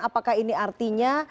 apakah ini artinya